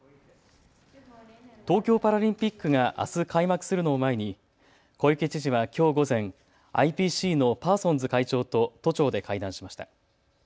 東京パラリンピックがあす開幕するのを前に小池知事はきょう午前、ＩＰＣのパーソンズ会長と都庁で会談しました。